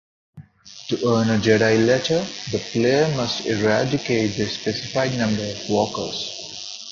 To earn a Jedi letter, the player must eradicate the specified number of walkers.